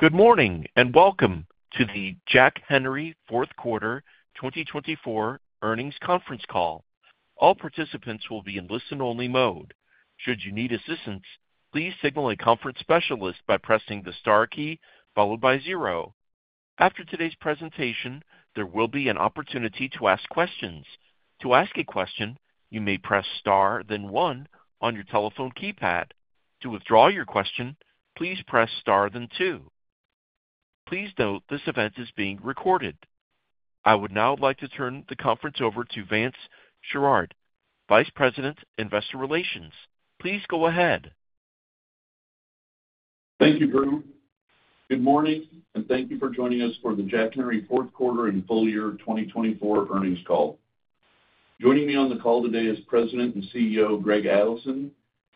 Good morning, and welcome to the Jack Henry Fourth Quarter 2024 Earnings Conference Call. All participants will be in listen-only mode. Should you need assistance, please signal a conference specialist by pressing the star key followed by zero. After today's presentation, there will be an opportunity to ask questions. To ask a question, you may press star, then one on your telephone keypad. To withdraw your question, please press star, then two. Please note this event is being recorded. I would now like to turn the conference over to Vance Sherard, Vice President, Investor Relations. Please go ahead. Thank you, Drew. Good morning, and thank you for joining us for the Jack Henry fourth quarter and full year 2024 earnings call. Joining me on the call today is President and CEO, Greg Adelson,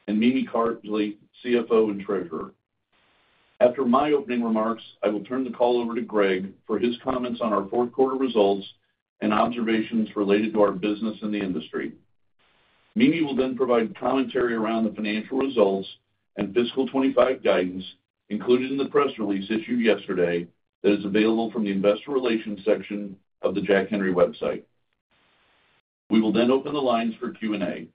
and Mimi Carsley, CFO and Treasurer. After my opening remarks, I will turn the call over to Greg for his comments on our fourth quarter results and observations related to our business and the industry. Mimi will then provide commentary around the financial results and fiscal 2025 guidance included in the press release issued yesterday that is available from the investor relations section of the Jack Henry website. We will then open the lines for Q&A.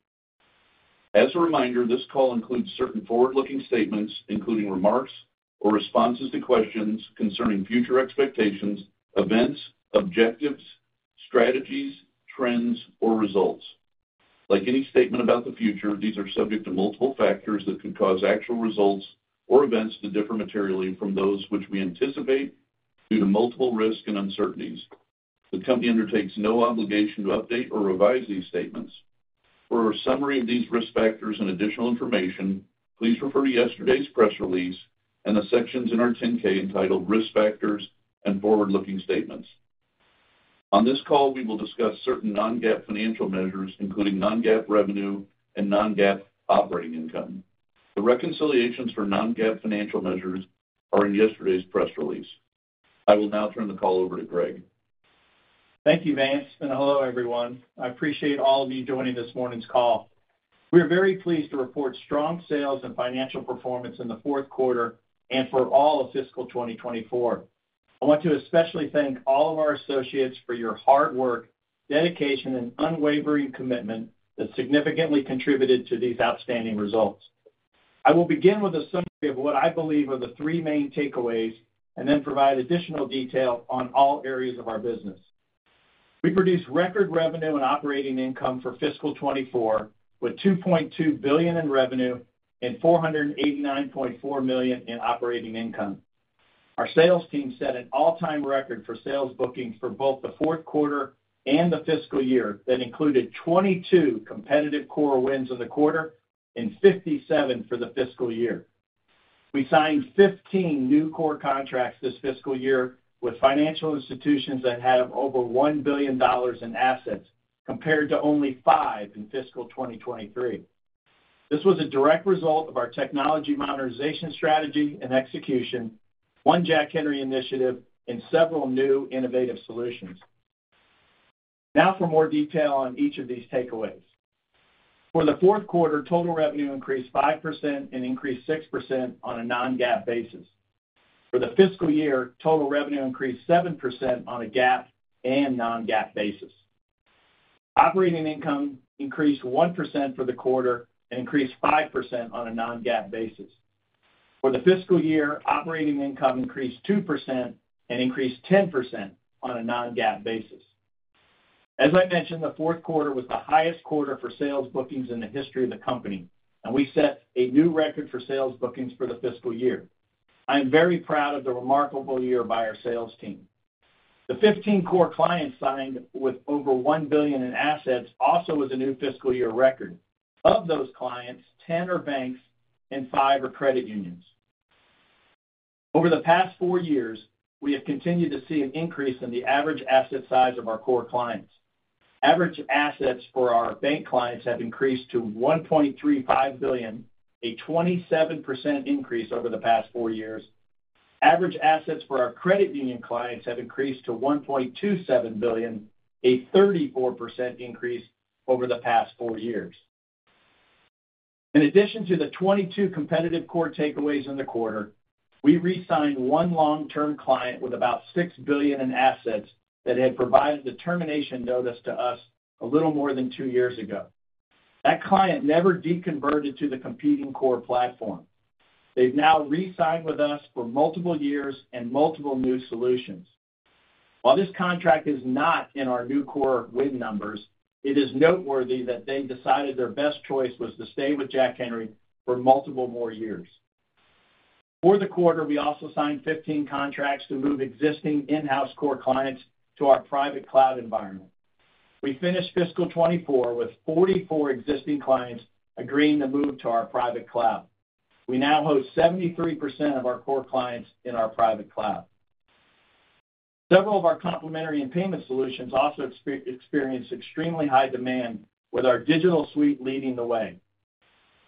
As a reminder, this call includes certain forward-looking statements, including remarks or responses to questions concerning future expectations, events, objectives, strategies, trends, or results. Like any statement about the future, these are subject to multiple factors that could cause actual results or events to differ materially from those which we anticipate due to multiple risks and uncertainties. The company undertakes no obligation to update or revise these statements. For a summary of these risk factors and additional information, please refer to yesterday's press release and the sections in our 10-K entitled Risk Factors and Forward-Looking Statements. On this call, we will discuss certain non-GAAP financial measures, including non-GAAP revenue and non-GAAP operating income. The reconciliations for non-GAAP financial measures are in yesterday's press release. I will now turn the call over to Greg. Thank you, Vance, and hello, everyone. I appreciate all of you joining this morning's call. We are very pleased to report strong sales and financial performance in the fourth quarter and for all of fiscal 2024. I want to especially thank all of our associates for your hard work, dedication, and unwavering commitment that significantly contributed to these outstanding results. I will begin with a summary of what I believe are the three main takeaways, and then provide additional detail on all areas of our business. We produced record revenue and operating income for fiscal 2024, with $2.2 billion in revenue and $489.4 million in operating income. Our sales team set an all-time record for sales bookings for both the fourth quarter and the fiscal year that included 22 competitive core wins in the quarter and 57 for the fiscal year. We signed 15 new core contracts this fiscal year with financial institutions that have over $1 billion in assets, compared to only 5 in fiscal 2023. This was a direct result of our technology modernization strategy and execution, One Jack Henry initiative, and several new innovative solutions. Now for more detail on each of these takeaways. For the fourth quarter, total revenue increased 5% and increased 6% on a non-GAAP basis. For the fiscal year, total revenue increased 7% on a GAAP and non-GAAP basis. Operating income increased 1% for the quarter and increased 5% on a non-GAAP basis. For the fiscal year, operating income increased 2% and increased 10% on a non-GAAP basis. As I mentioned, the fourth quarter was the highest quarter for sales bookings in the history of the company, and we set a new record for sales bookings for the fiscal year. I am very proud of the remarkable year by our sales team. The 15 core clients signed with over $1 billion in assets also was a new fiscal year record. Of those clients, 10 are banks and 5 are credit unions. Over the past four years, we have continued to see an increase in the average asset size of our core clients. Average assets for our bank clients have increased to $1.35 billion, a 27% increase over the past four years. Average assets for our credit union clients have increased to $1.27 billion, a 34% increase over the past four years. In addition to the 22 competitive core takeaways in the quarter, we re-signed one long-term client with about $6 billion in assets that had provided the termination notice to us a little more than 2 years ago. That client never deconverted to the competing core platform. They've now re-signed with us for multiple years and multiple new solutions. While this contract is not in our new core win numbers, it is noteworthy that they decided their best choice was to stay with Jack Henry for multiple more years. For the quarter, we also signed 15 contracts to move existing in-house core clients to our private cloud environment. We finished fiscal 2024 with 44 existing clients agreeing to move to our private cloud. We now host 73% of our core clients in our private cloud. Several of our complementary and payment solutions also experienced extremely high demand with our digital suite leading the way.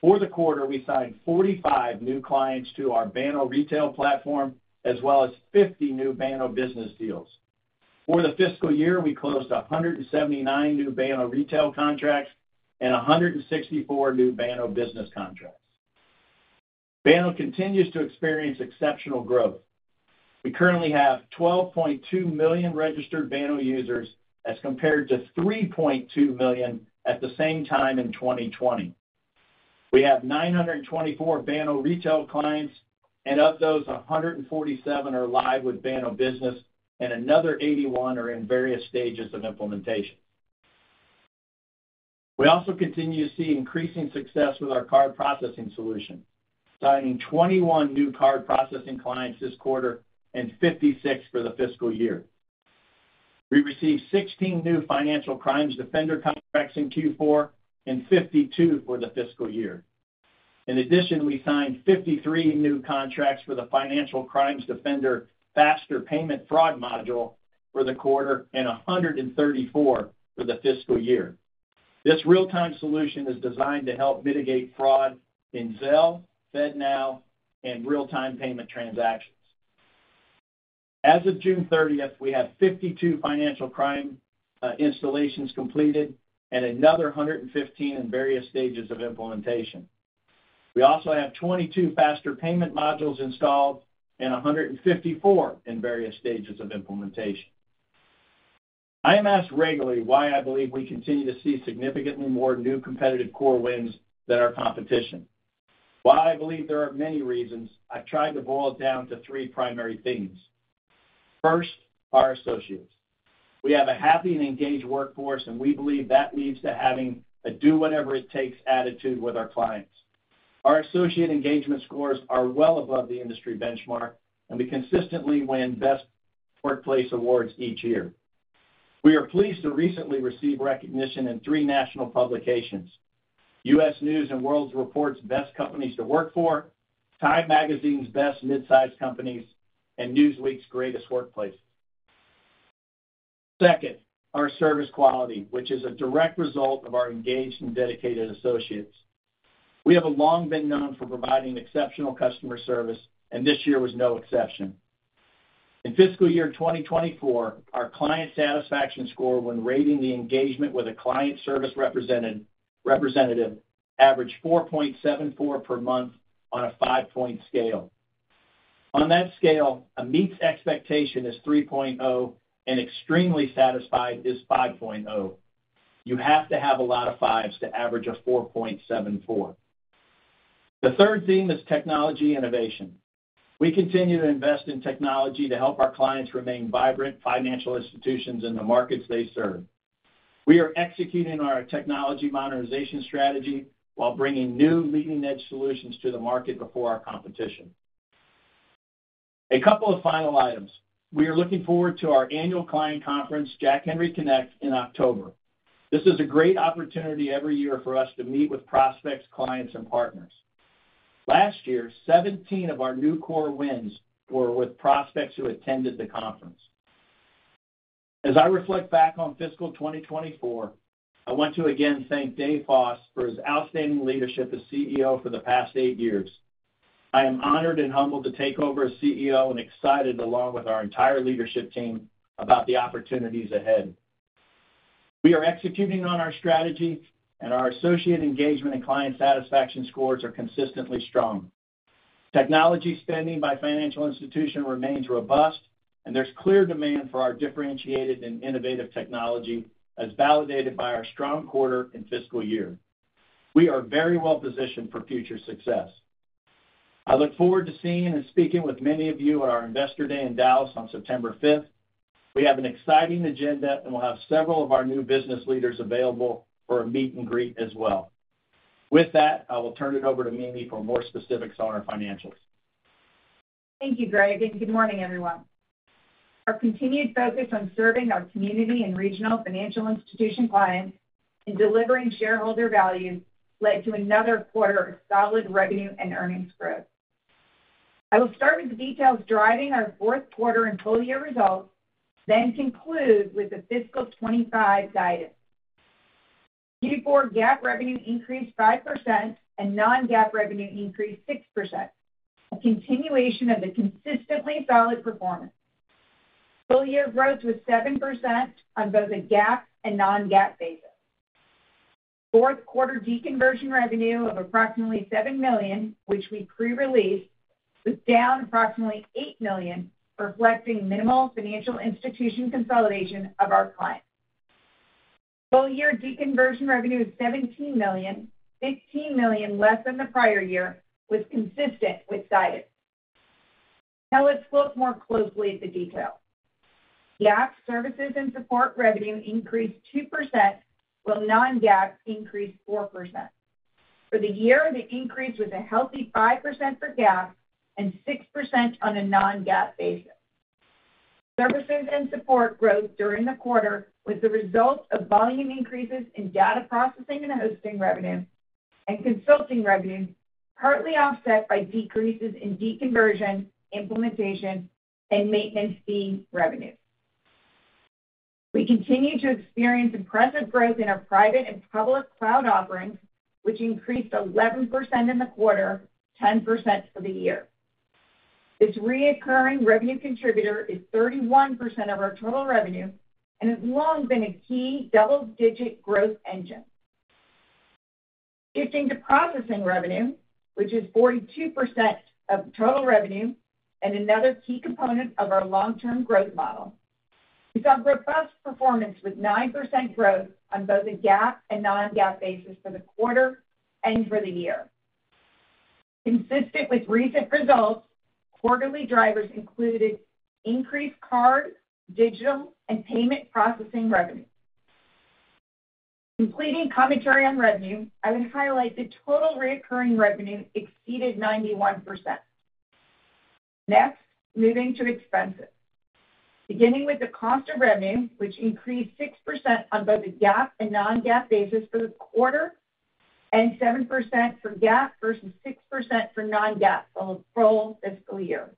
For the quarter, we signed 45 new clients to our Banno Retail platform, as well as 50 new Banno Business deals. For the fiscal year, we closed 179 new Banno Retail contracts and 164 new Banno Business contracts. Banno continues to experience exceptional growth. We currently have 12.2 million registered Banno users, as compared to 3.2 million at the same time in 2020. We have 924 Banno Retail clients, and of those, 147 are live with Banno Business, and another 81 are in various stages of implementation. We also continue to see increasing success with our card processing solution, signing 21 new card processing clients this quarter and 56 for the fiscal year. We received 16 new Financial Crimes Defender contracts in Q4, and 52 for the fiscal year. In addition, we signed 53 new contracts for the Financial Crimes Defender faster payment fraud module for the quarter, and 134 for the fiscal year. This real-time solution is designed to help mitigate fraud in Zelle, FedNow, and real-time payment transactions. As of June 30th, we have 52 financial crimes installations completed and another 115 in various stages of implementation. We also have 22 faster payment modules installed and 154 in various stages of implementation. I am asked regularly why I believe we continue to see significantly more new competitive core wins than our competition. While I believe there are many reasons, I've tried to boil it down to three primary things. First, our associates. We have a happy and engaged workforce, and we believe that leads to having a do-whatever-it-takes attitude with our clients. Our associate engagement scores are well above the industry benchmark, and we consistently win Best Workplace awards each year. We are pleased to recently receive recognition in three national publications: U.S. News & World Report's Best Companies to Work For, TIME Magazine's Best Midsize Companies, and Newsweek's Greatest Workplaces. Second, our service quality, which is a direct result of our engaged and dedicated associates. We have long been known for providing exceptional customer service, and this year was no exception. In fiscal year 2024, our client satisfaction score when rating the engagement with a client service representative averaged 4.74 per month on a 5 point scale. On that scale, a meets expectation is 3.0, and extremely satisfied is 5.0. You have to have a lot of fives to average a 4.74. The third theme is technology innovation. We continue to invest in technology to help our clients remain vibrant financial institutions in the markets they serve. We are executing our technology monetization strategy while bringing new leading-edge solutions to the market before our competition. A couple of final items. We are looking forward to our annual client conference, Jack Henry Connect, in October. This is a great opportunity every year for us to meet with prospects, clients, and partners. Last year, 17 of our new core wins were with prospects who attended the conference. As I reflect back on fiscal 2024, I want to again thank Dave Foss for his outstanding leadership as CEO for the past eight years. I am honored and humbled to take over as CEO and excited, along with our entire leadership team, about the opportunities ahead. We are executing on our strategy, and our associate engagement and client satisfaction scores are consistently strong. Technology spending by financial institution remains robust, and there's clear demand for our differentiated and innovative technology, as validated by our strong quarter and fiscal year. We are very well positioned for future success. I look forward to seeing and speaking with many of you at our Investor Day in Dallas on September 5th. We have an exciting agenda, and we'll have several of our new business leaders available for a meet and greet as well. With that, I will turn it over to Mimi for more specifics on our financials. Thank you, Greg, and good morning, everyone. Our continued focus on serving our community and regional financial institution clients in delivering shareholder value led to another quarter of solid revenue and earnings growth. I will start with the details driving our fourth quarter and full-year results, then conclude with the fiscal 2025 guidance. Q4 GAAP revenue increased 5%, and non-GAAP revenue increased 6%, a continuation of the consistently solid performance. Full-year growth was 7% on both a GAAP and non-GAAP basis. Fourth quarter deconversion revenue of approximately $7 million, which we pre-released, was down approximately $8 million, reflecting minimal financial institution consolidation of our clients. Full-year deconversion revenue is $17 million, $15 million less than the prior year, was consistent with guidance. Now let's look more closely at the detail. GAAP services and support revenue increased 2%, while non-GAAP increased 4%. For the year, the increase was a healthy 5% for GAAP and 6% on a non-GAAP basis. Services and support growth during the quarter was the result of volume increases in data processing and hosting revenue and consulting revenue, partly offset by decreases in deconversion, implementation, and maintenance fee revenue. We continue to experience impressive growth in our private and public cloud offerings, which increased 11% in the quarter, 10% for the year. This recurring revenue contributor is 31% of our total revenue and has long been a key double-digit growth engine. Shifting to processing revenue, which is 42% of total revenue and another key component of our long-term growth model, we saw robust performance with 9% growth on both a GAAP and non-GAAP basis for the quarter and for the year. Consistent with recent results, quarterly drivers included increased card, digital, and payment processing revenue. Completing commentary on revenue, I would highlight the total recurring revenue exceeded 91%. Next, moving to expenses. Beginning with the cost of revenue, which increased 6% on both a GAAP and non-GAAP basis for the quarter, and 7% for GAAP versus 6% for non-GAAP on a full fiscal year.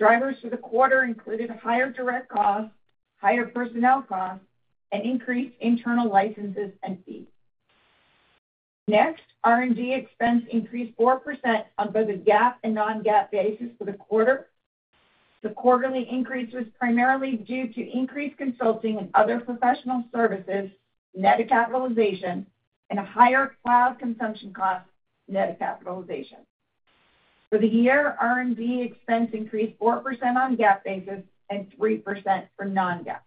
Drivers for the quarter included higher direct costs, higher personnel costs, and increased internal licenses and fees. Next, R&D expense increased 4% on both a GAAP and non-GAAP basis for the quarter. The quarterly increase was primarily due to increased consulting and other professional services, net of capitalization, and a higher cloud consumption cost, net of capitalization. For the year, R&D expense increased 4% on GAAP basis and 3% for non-GAAP.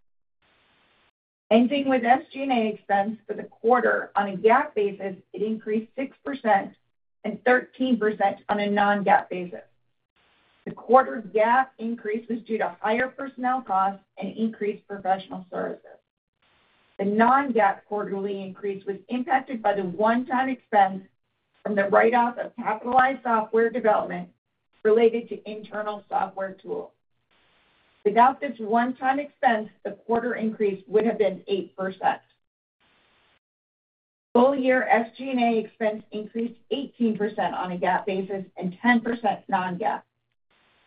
Ending with SG&A expense for the quarter, on a GAAP basis, it increased 6% and 13% on a non-GAAP basis. The quarter's GAAP increase was due to higher personnel costs and increased professional services. The non-GAAP quarterly increase was impacted by the one-time expense from the write-off of capitalized software development related to internal software tools. Without this one-time expense, the quarter increase would have been 8%. Full-year SG&A expense increased 18% on a GAAP basis and 10% non-GAAP.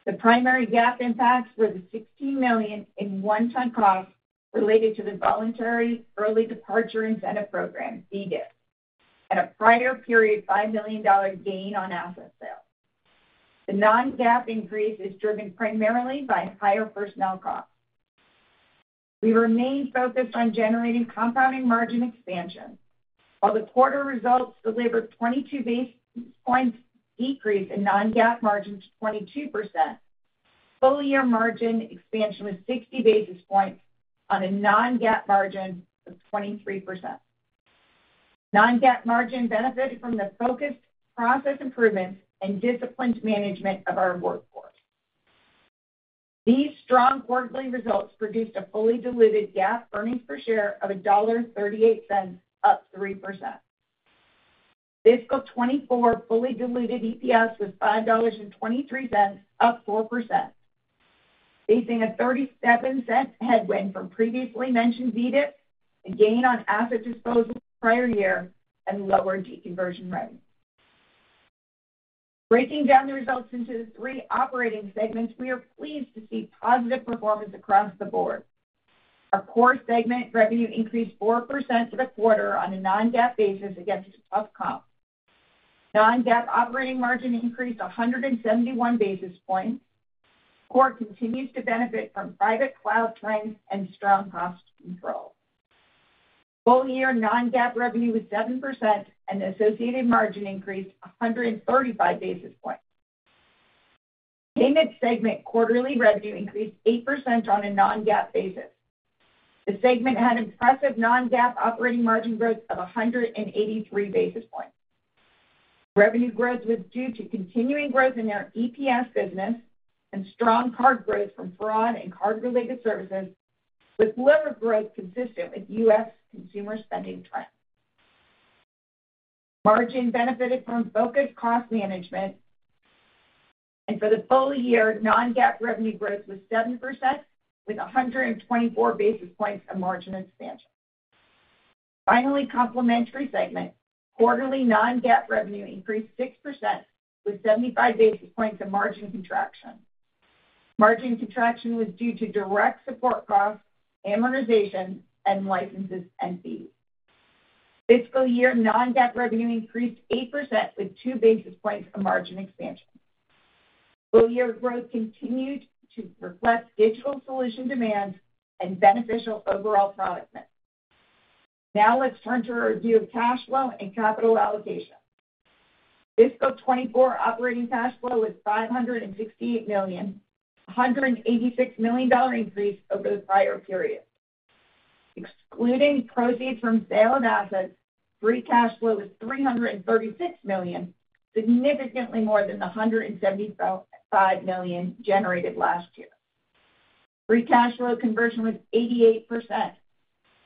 The primary GAAP impacts were the $16 million in one-time costs related to the voluntary early departure incentive program, VEDIP, and a prior period $5 million gain on asset sale. The non-GAAP increase is driven primarily by higher personnel costs. We remain focused on generating compounding margin expansion. While the quarter results delivered 22 basis points decrease in non-GAAP margin to 22%, full-year margin expansion was 60 basis points on a non-GAAP margin of 23%. Non-GAAP margin benefited from the focused process improvements and disciplined management of our workforce. These strong quarterly results produced a fully diluted GAAP earnings per share of $1.38, up 3%. Fiscal 2024 fully diluted EPS was $5.23, up 4%. Facing a 37-cent headwind from previously mentioned VEDIP, a gain on asset disposal the prior year, and lower deconversion rates. Breaking down the results into the three operating segments, we are pleased to see positive performance across the board. Our core segment revenue increased 4% for the quarter on a non-GAAP basis against a tough comp. Non-GAAP operating margin increased 171 basis points. Core continues to benefit from private cloud strength and strong cost control. Full-year non-GAAP revenue was 7% and associated margin increased 135 basis points. Payment segment quarterly revenue increased 8% on a non-GAAP basis. The segment had impressive non-GAAP operating margin growth of 183 basis points. Revenue growth was due to continuing growth in our EPS business and strong card growth from fraud and card-related services, with lower growth consistent with U.S. consumer spending trends. Margin benefited from focused cost management, and for the full year, non-GAAP revenue growth was 7%, with 124 basis points of margin expansion. Finally, complementary segment. Quarterly non-GAAP revenue increased 6% with 75 basis points of margin contraction. Margin contraction was due to direct support costs, amortization, and licenses and fees. Fiscal year non-GAAP revenue increased 8% with 2 basis points of margin expansion. Full-year growth continued to reflect digital solution demand and beneficial overall product mix. Now let's turn to our view of cash flow and capital allocation. Fiscal 2024 operating cash flow was $568 million, a $186 million increase over the prior period. Excluding proceeds from sale of assets, free cash flow was $336 million, significantly more than the $175 million generated last year. Free cash flow conversion was 88%.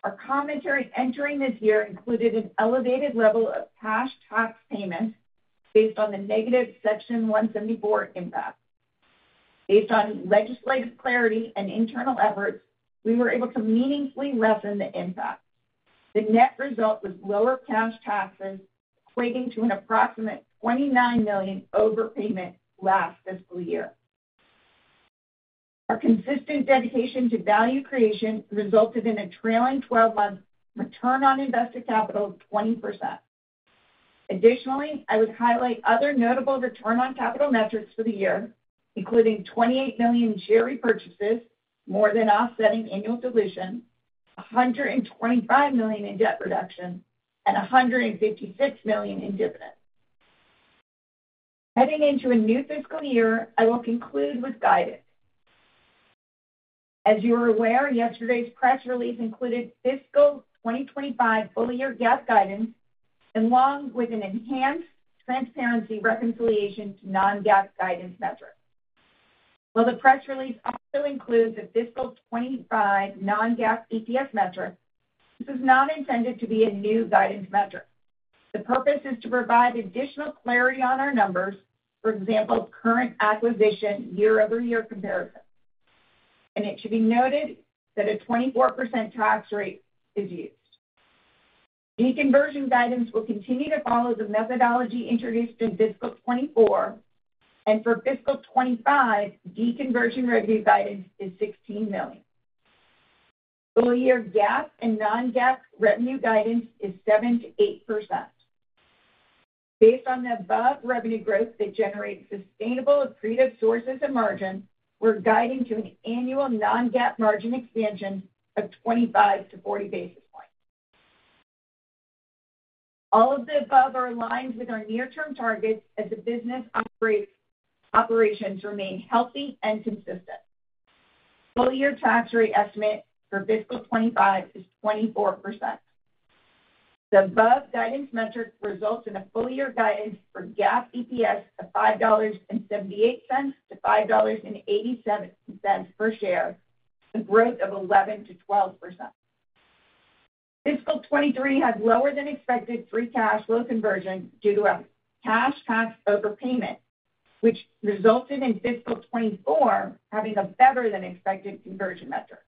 Our commentary entering this year included an elevated level of cash tax payments based on the negative Section 174 impact. Based on legislative clarity and internal efforts, we were able to meaningfully lessen the impact. The net result was lower cash taxes equating to an approximate $29 million overpayment last fiscal year. Our consistent dedication to value creation resulted in a trailing twelve-month return on invested capital of 20%. Additionally, I would highlight other notable return on capital metrics for the year, including 28 million share repurchases, more than offsetting annual dilution, $125 million in debt reduction, and $156 million in dividends. Heading into a new fiscal year, I will conclude with guidance. As you are aware, yesterday's press release included fiscal 2025 full-year GAAP guidance, along with an enhanced transparency reconciliation to non-GAAP guidance metrics. While the press release also includes a fiscal 2025 non-GAAP EPS metric, this is not intended to be a new guidance metric. The purpose is to provide additional clarity on our numbers, for example, current acquisition year-over-year comparison. And it should be noted that a 24% tax rate is used. Deconversion guidance will continue to follow the methodology introduced in fiscal 2024, and for fiscal 2025, deconversion revenue guidance is $16 million. Full-year GAAP and non-GAAP revenue guidance is 7%-8%. Based on the above revenue growth that generates sustainable accretive sources and margin, we're guiding to an annual non-GAAP margin expansion of 25-40 basis points. All of the above are aligned with our near-term targets as the business operations remain healthy and consistent. Full-year tax rate estimate for fiscal 2025 is 24%. The above guidance metrics result in a full-year guidance for GAAP EPS of $5.78-$5.87 per share, a growth of 11%-12%. Fiscal 2023 had lower than expected free cash flow conversion due to a cash tax overpayment, which resulted in fiscal 2024 having a better than expected conversion metric.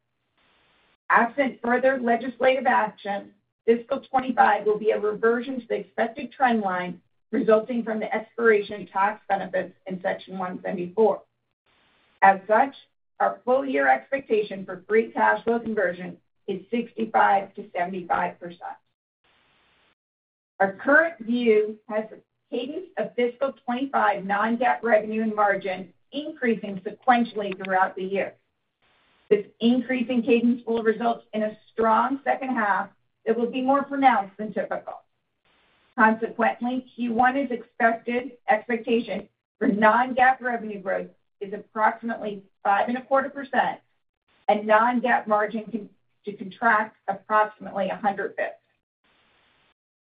Absent further legislative action, fiscal 2025 will be a reversion to the expected trend line, resulting from the expiration tax benefits in Section 174. As such, our full-year expectation for free cash flow conversion is 65%-75%. Our current view has a cadence of fiscal 2025 non-GAAP revenue and margin increasing sequentially throughout the year. This increasing cadence will result in a strong second half that will be more pronounced than typical. Consequently, Q1 expectation for non-GAAP revenue growth is approximately 5.25%, and non-GAAP margin to contract approximately 100 basis points.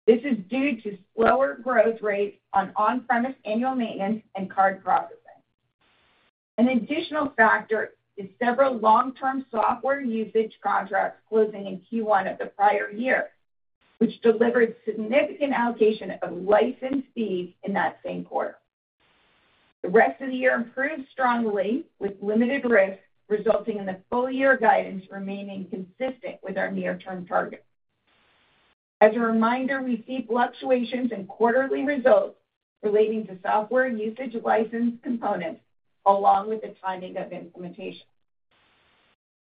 This is due to slower growth rates on on-premise annual maintenance and card processing. An additional factor is several long-term software usage contracts closing in Q1 of the prior year, which delivered significant allocation of license fees in that same quarter. The rest of the year improved strongly, with limited risk, resulting in the full-year guidance remaining consistent with our near-term targets. As a reminder, we see fluctuations in quarterly results relating to software usage license components, along with the timing of implementation.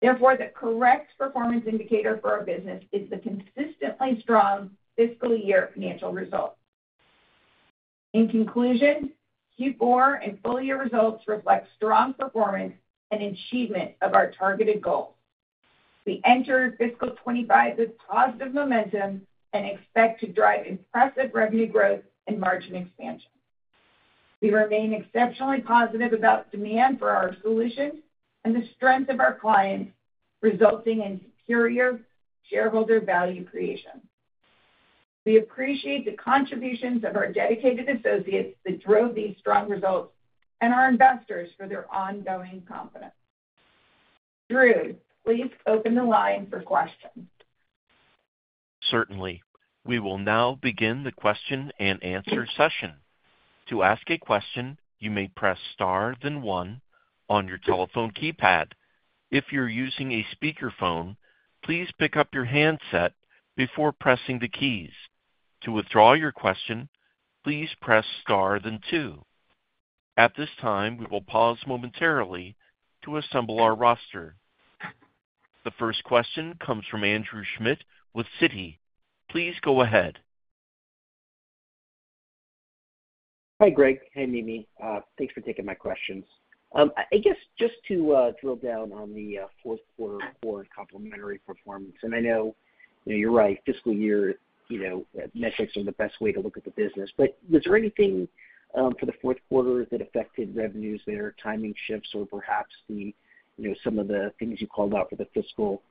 Therefore, the correct performance indicator for our business is the consistently strong fiscal year financial results. In conclusion, Q4 and full-year results reflect strong performance and achievement of our targeted goals. We entered fiscal 2025 with positive momentum and expect to drive impressive revenue growth and margin expansion. We remain exceptionally positive about demand for our solutions and the strength of our clients, resulting in superior shareholder value creation. We appreciate the contributions of our dedicated associates that drove these strong results and our investors for their ongoing confidence. Drew, please open the line for questions. Certainly. We will now begin the question-and-answer session. To ask a question, you may press star, then one on your telephone keypad. If you're using a speakerphone, please pick up your handset before pressing the keys. To withdraw your question, please press star, then two. At this time, we will pause momentarily to assemble our roster. The first question comes from Andrew Schmidt with Citi. Please go ahead. Hi, Greg. Hey, Mimi. Thanks for taking my questions. I guess just to drill down on the fourth quarter core and complementary performance, and I know you're right, fiscal year, you know, metrics are the best way to look at the business. But was there anything for the fourth quarter that affected revenues there, timing shifts or perhaps the, you know, some of the things you called out for the fiscal,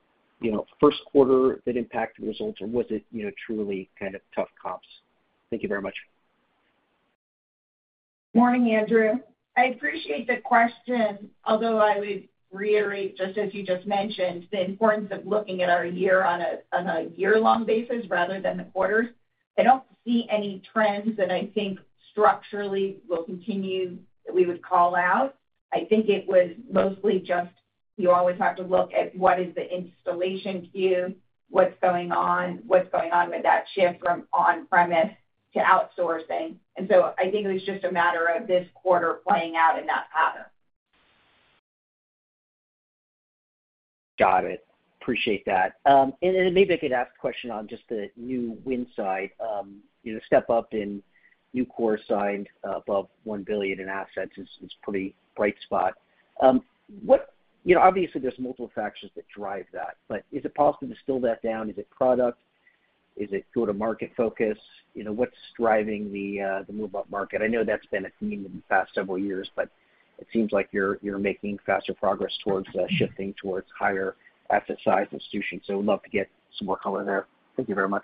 you know, first quarter that impacted the results, or was it, you know, truly kind of tough comps? Thank you very much. Morning, Andrew. I appreciate the question, although I would reiterate, just as you just mentioned, the importance of looking at our year on a year-long basis rather than the quarters. I don't see any trends that I think structurally will continue, that we would call out. I think it was mostly just you always have to look at what is the installation queue, what's going on, what's going on with that shift from on-premise to outsourcing. And so I think it was just a matter of this quarter playing out in that pattern. Got it. Appreciate that. And maybe I could ask a question on just the new win side. You know, step up in new core signed above $1 billion in assets is pretty bright spot. What, you know, obviously, there's multiple factors that drive that, but is it possible to distill that down? Is it product? Is it go-to-market focus? You know, what's driving the move upmarket? I know that's been a theme in the past several years, but it seems like you're making faster progress towards shifting towards higher asset size institutions. So would love to get some more color there. Thank you very much.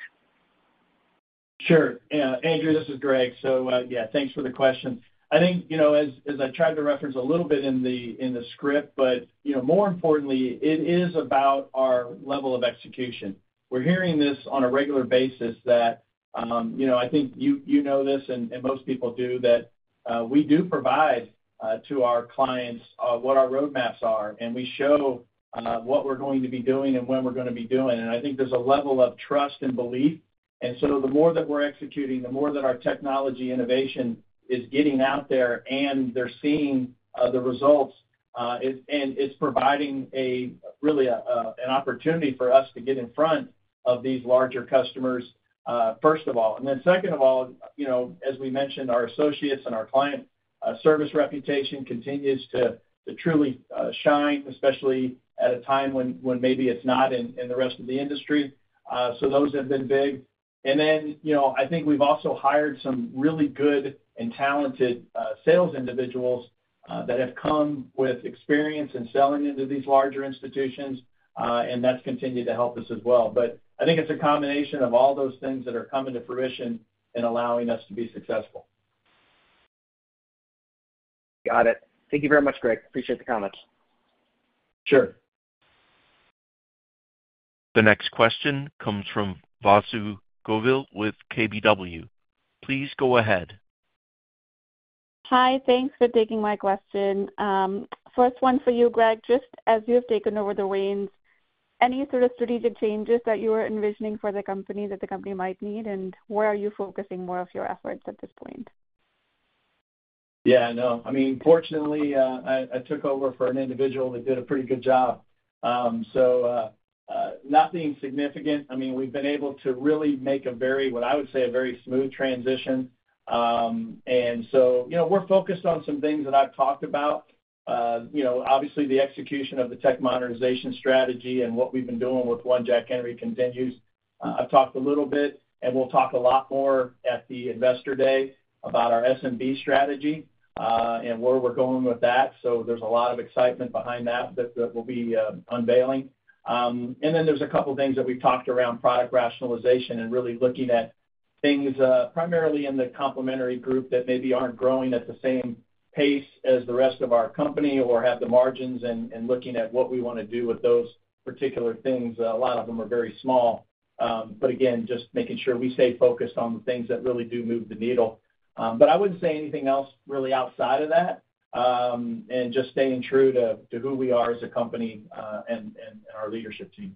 Sure. Yeah, Andrew, this is Greg. So, yeah, thanks for the question. I think, you know, as I tried to reference a little bit in the script, but, you know, more importantly, it is about our level of execution. We're hearing this on a regular basis that, you know, I think you know this and most people do, that we do provide to our clients what our roadmaps are, and we show what we're going to be doing and when we're going to be doing it. And I think there's a level of trust and belief. And so the more that we're executing, the more that our technology innovation is getting out there, and they're seeing the results, and it's providing a really an opportunity for us to get in front of these larger customers, first of all. And then second of all, you know, as we mentioned, our associates and our client service reputation continues to truly shine, especially at a time when maybe it's not in the rest of the industry. So those have been big. And then, you know, I think we've also hired some really good and talented sales individuals that have come with experience in selling into these larger institutions, and that's continued to help us as well. But I think it's a combination of all those things that are coming to fruition and allowing us to be successful. Got it. Thank you very much, Greg. Appreciate the comments. Sure. The next question comes from Vasu Govil with KBW. Please go ahead. Hi, thanks for taking my question. First one for you, Greg, just as you have taken over the reins, any sort of strategic changes that you are envisioning for the company that the company might need, and where are you focusing more of your efforts at this point? Yeah, no. I mean, fortunately, I took over for an individual that did a pretty good job, so nothing significant. I mean, we've been able to really make a very, what I would say, a very smooth transition, and so, you know, we're focused on some things that I've talked about. You know, obviously, the execution of the tech modernization strategy and what we've been doing with One Jack Henry continues. I've talked a little bit, and we'll talk a lot more at the Investor Day about our SMB strategy, and where we're going with that, so there's a lot of excitement behind that that we'll be unveiling. And then there's a couple things that we've talked around product rationalization and really looking at things, primarily in the complementary group that maybe aren't growing at the same pace as the rest of our company or have the margins and looking at what we want to do with those particular things. A lot of them are very small, but again, just making sure we stay focused on the things that really do move the needle. But I wouldn't say anything else really outside of that, and just staying true to who we are as a company, and our leadership team.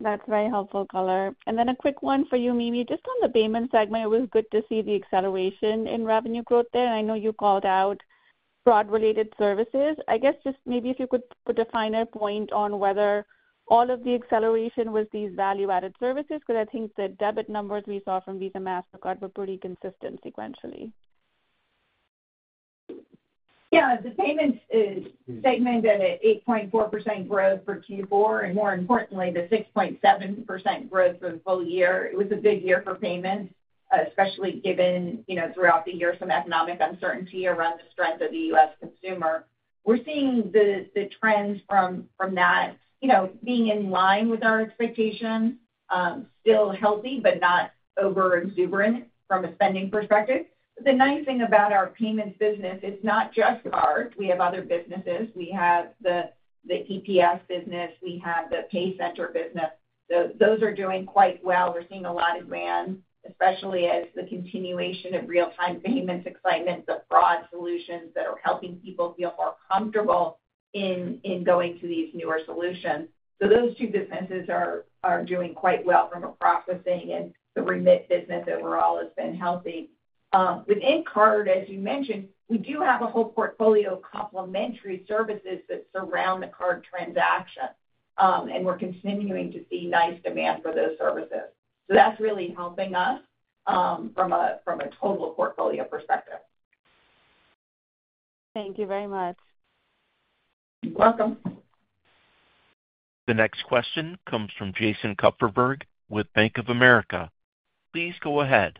That's very helpful color. And then a quick one for you, Mimi. Just on the payment segment, it was good to see the acceleration in revenue growth there, and I know you called out fraud-related services. I guess just maybe if you could put a finer point on whether all of the acceleration was these value-added services, because I think the debit numbers we saw from Visa, Mastercard were pretty consistent sequentially. Yeah, the payments segment at 8.4% growth for Q4, and more importantly, the 6.7% growth for the full year. It was a big year for payments, especially given, you know, throughout the year, some economic uncertainty around the strength of the U.S. consumer. We're seeing the trends from that, you know, being in line with our expectations, still healthy, but not overexuberant from a spending perspective. The nice thing about our payments business, it's not just card. We have other businesses. We have the EPS business, we have the PayCenter business. Those are doing quite well. We're seeing a lot of ramp, especially as the continuation of real-time payments excitement, the fraud solutions that are helping people feel more comfortable in going to these newer solutions. So those two defenses are doing quite well from a processing, and the remit business overall has been healthy. Within card, as you mentioned, we do have a whole portfolio of complementary services that surround the card transaction, and we're continuing to see nice demand for those services. So that's really helping us, from a total portfolio perspective. Thank you very much. You're welcome. The next question comes from Jason Kupferberg with Bank of America. Please go ahead.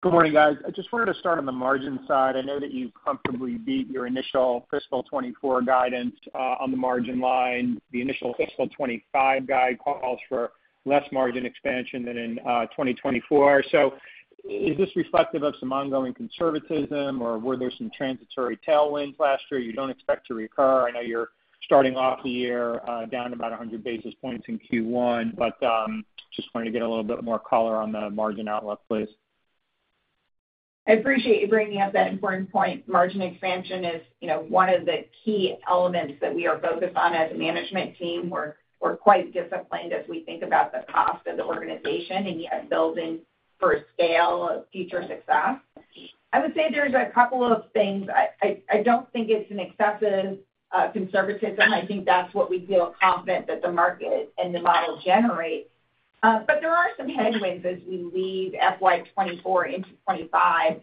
Good morning, guys. I just wanted to start on the margin side. I know that you comfortably beat your initial fiscal 2024 guidance on the margin line. The initial fiscal 2025 guide calls for less margin expansion than in 2024. So is this reflective of some ongoing conservatism, or were there some transitory tailwinds last year you don't expect to recur? I know you're starting off the year down about 1 basis points in Q1, but just wanted to get a little bit more color on the margin outlook, please. I appreciate you bringing up that important point. Margin expansion is, you know, one of the key elements that we are focused on as a management team. We're quite disciplined as we think about the cost of the organization and yet building for scale of future success. I would say there's a couple of things. I don't think it's an excessive conservatism. I think that's what we feel confident that the market and the model generates. But there are some headwinds as we leave FY 2024 into 2025,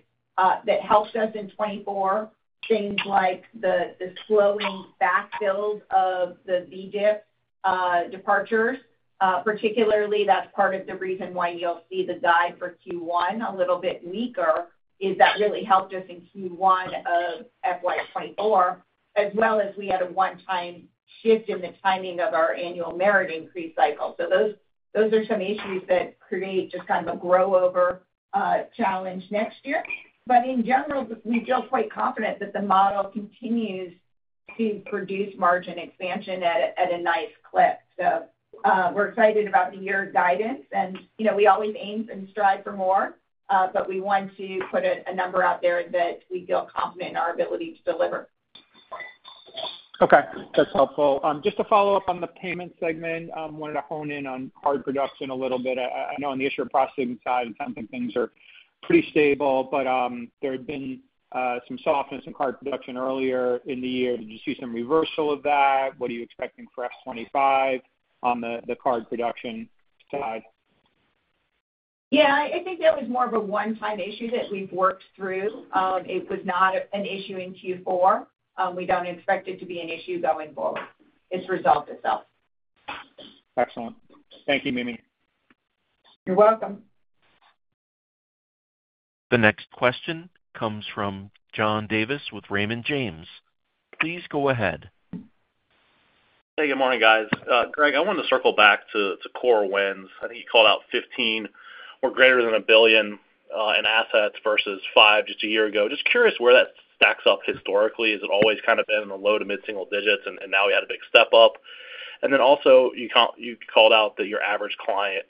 that helped us in 2024. Things like the slowing backfill of the VEDIP departures, particularly that's part of the reason why you'll see the guide for Q1 a little bit weaker, is that really helped us in Q1 of FY 2024, as well as we had a one-time shift in the timing of our annual merit increase cycle. So those are some issues that create just kind of a year-over-year challenge next year. But in general, we feel quite confident that the model continues to produce margin expansion at a nice clip. So we're excited about this year's guidance and, you know, we always aim and strive for more, but we want to put a number out there that we feel confident in our ability to deliver. Okay, that's helpful. Just to follow up on the payment segment, wanted to hone in on card production a little bit. I know on the issuer processing side, and sometimes things are pretty stable, but there had been some softness in card production earlier in the year. Did you see some reversal of that? What are you expecting for FY 2025 on the card production side? Yeah, I think that was more of a one-time issue that we've worked through. It was not an issue in Q4. We don't expect it to be an issue going forward. It's resolved itself. Excellent. Thank you, Mimi. You're welcome. The next question comes from John Davis with Raymond James. Please go ahead. Hey, good morning, guys. Greg, I wanted to circle back to core wins. I think you called out 15 or greater than 1 billion in assets versus 5 just a year ago. Just curious where that stacks up historically. Has it always kind of been in the low to mid-single digits, and now we had a big step up? And then also, you called out that your average client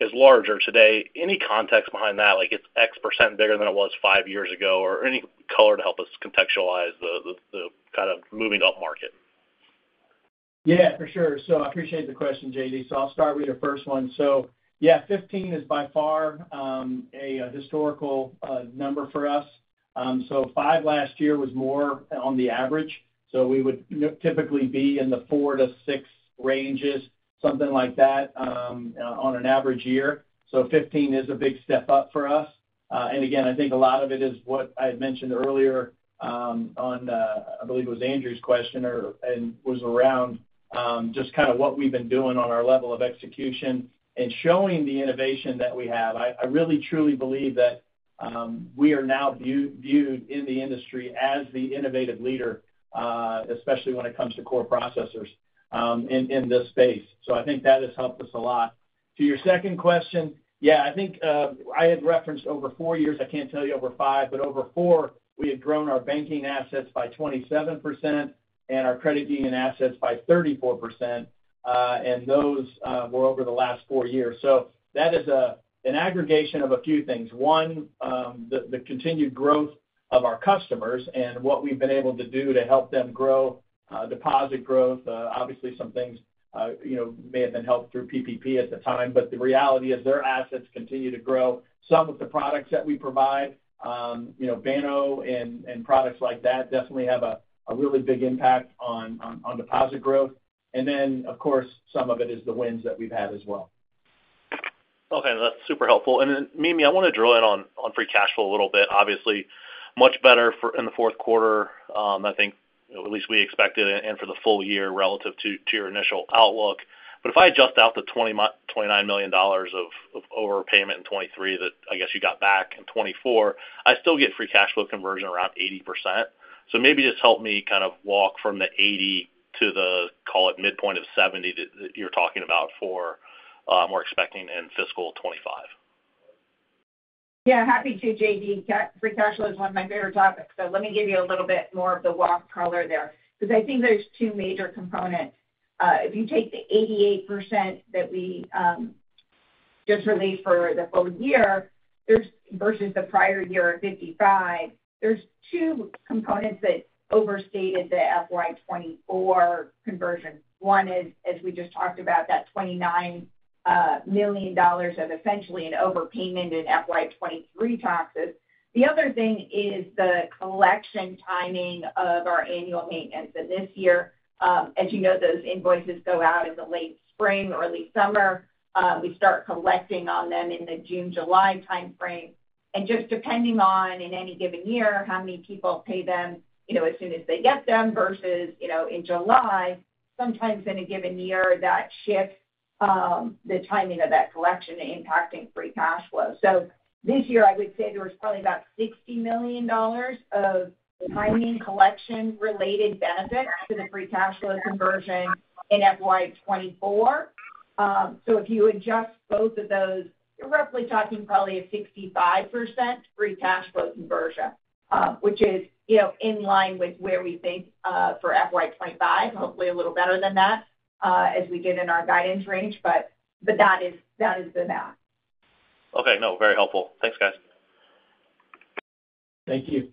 is larger today. Any context behind that? Like, it's X% bigger than it was 5 years ago, or any color to help us contextualize the kind of moving upmarket. Yeah, for sure. So I appreciate the question, J.D. So I'll start with your first one. So yeah, 15 is by far a historical number for us. So five last year was more on the average. So we would typically be in the 4-6 ranges, something like that, on an average year. So 15 is a big step up for us. And again, I think a lot of it is what I had mentioned earlier, on, I believe it was Andrew's question, and was around just kind of what we've been doing on our level of execution and showing the innovation that we have. I really, truly believe that we are now viewed in the industry as the innovative leader, especially when it comes to core processors, in this space. So I think that has helped us a lot. To your second question, yeah, I think I had referenced over four years. I can't tell you over 5, but over 4, we had grown our banking assets by 27% and our credit union assets by 34%, and those were over the last four years. So that is an aggregation of a few things. One, the continued growth of our customers and what we've been able to do to help them grow, deposit growth. Obviously some things, you know, may have been helped through PPP at the time, but the reality is their assets continue to grow. Some of the products that we provide, you know, Banno and products like that definitely have a really big impact on deposit growth. And then, of course, some of it is the wins that we've had as well. Okay, that's super helpful. And then, Mimi, I want to drill in on free cash flow a little bit. Obviously, much better in the fourth quarter, I think at least we expected, and for the full year relative to your initial outlook. But if I adjust out the $29 million of overpayment in 2023, that I guess you got back in 2024, I still get Free Cash Flow Conversion around 80%. So maybe just help me kind of walk from the 80% to the, call it, midpoint of 70% that you're talking about for, we're expecting in fiscal 2025. Yeah, happy to, JD. Free cash flow is one of my favorite topics, so let me give you a little bit more of the walk color there, because I think there's two major components. If you take the 88% that we just released for the full year, there's versus the prior year of 55%, there's two components that overstated the FY 2024 conversion. One is, as we just talked about, that $29 million of essentially an overpayment in FY 2023 taxes. The other thing is the collection timing of our annual maintenance. And this year, as you know, those invoices go out in the late spring or early summer. We start collecting on them in the June, July timeframe. Just depending on, in any given year, how many people pay them, you know, as soon as they get them versus, you know, in July, sometimes in a given year, that shifts, the timing of that collection, impacting free cash flow. This year, I would say there was probably about $60 million of timing collection related benefits to the free cash flow conversion in FY 2024. If you adjust both of those, you're roughly talking probably a 65% free cash flow conversion, which is, you know, in line with where we think for FY 2025, hopefully, a little better than that, as we give in our guidance range, but that is the math. Okay. No, very helpful. Thanks, guys. Thank you.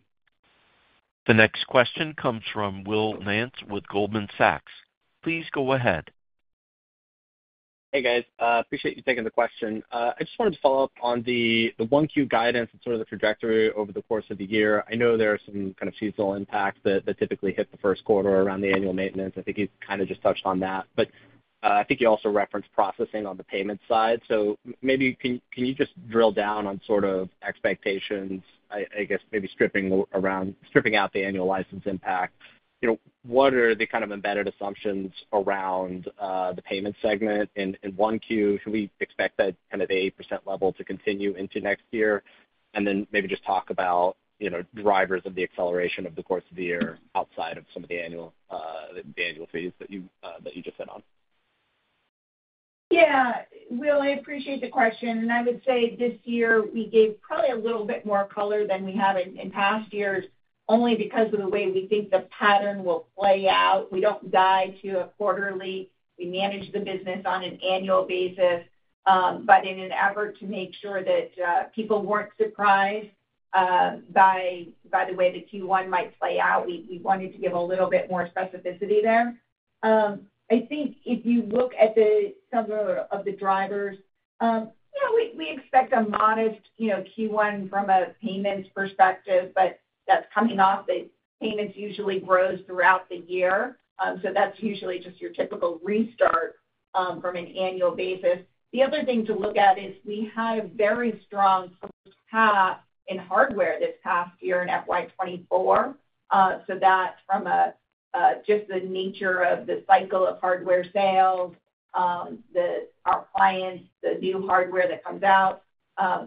The next question comes from Will Nance with Goldman Sachs. Please go ahead. Hey, guys. Appreciate you taking the question. I just wanted to follow up on the 1Q guidance and sort of the trajectory over the course of the year. I know there are some kind of seasonal impacts that typically hit the first quarter around the annual maintenance. I think you kind of just touched on that. But I think you also referenced processing on the payment side. So maybe can you just drill down on sort of expectations, I guess maybe stripping around stripping out the annual license impact? You know, what are the kind of embedded assumptions around the payment segment in 1Q? Should we expect that kind of the 8% level to continue into next year? And then maybe just talk about, you know, drivers of the acceleration over the course of the year outside of some of the annual fees that you just hit on. Yeah. Will, I appreciate the question. And I would say this year we gave probably a little bit more color than we have in past years, only because of the way we think the pattern will play out. We don't guide to a quarterly. We manage the business on an annual basis, but in an effort to make sure that people weren't surprised by the way the Q1 might play out, we wanted to give a little bit more specificity there. I think if you look at some of the drivers, you know, we expect a modest, you know, Q1 from a payments perspective, but that's coming off that payments usually grows throughout the year, so that's usually just your typical restart from an annual basis. The other thing to look at is we had a very strong first half in hardware this past year in FY 2024. So that from a, just the nature of the cycle of hardware sales, our clients, the new hardware that comes out,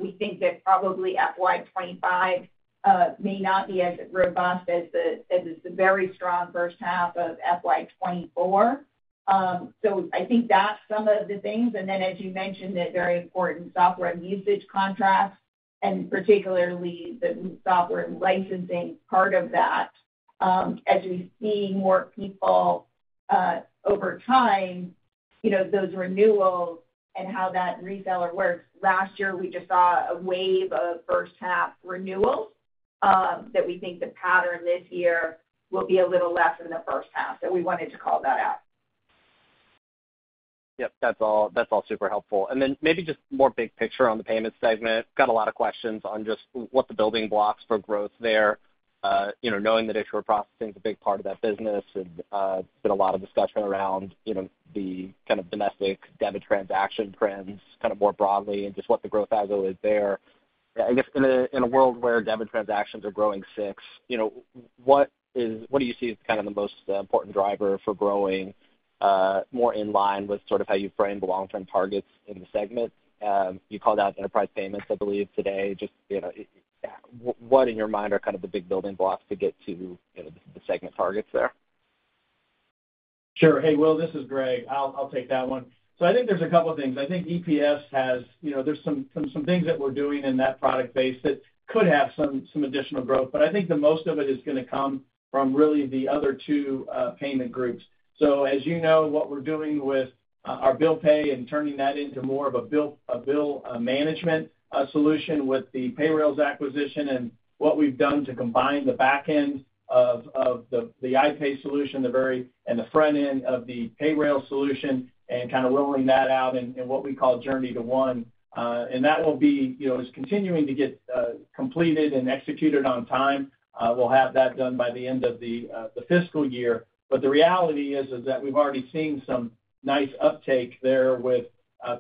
we think that probably FY 2025 may not be as robust as the, as the very strong first half of FY 2024. So I think that's some of the things. And then, as you mentioned, that very important software and usage contracts, and particularly the software licensing part of that, as we see more people over time, you know, those renewals and how that reseller works. Last year, we just saw a wave of first half renewals that we think the pattern this year will be a little less in the first half, so we wanted to call that out. Yep, that's all, that's all super helpful. And then maybe just more big picture on the payments segment. Got a lot of questions on just what the building blocks for growth there. You know, knowing that issuer processing is a big part of that business, and there's been a lot of discussion around, you know, the kind of domestic debit transaction trends kind of more broadly and just what the growth angle is there. I guess, in a world where debit transactions are growing six, you know, what do you see as kind of the most important driver for growing more in line with sort of how you frame the long-term targets in the segment? You called out enterprise payments, I believe, today. Just, you know, what in your mind are kind of the big building blocks to get to, you know, the segment targets there? Sure. Hey, Will, this is Greg. I'll take that one. So I think there's a couple of things. I think EPS has, you know, there's some things that we're doing in that product base that could have some additional growth, but I think the most of it is gonna come from really the other two payment groups. So as you know, what we're doing with our bill pay and turning that into more of a bill management solution with the Payrailz acquisition and what we've done to combine the back end of the iPay solution and the front end of the Payrailz solution and kind of rolling that out in what we call Journey to One. And that will be, you know, is continuing to get completed and executed on time. We'll have that done by the end of the fiscal year. But the reality is that we've already seen some nice uptake there with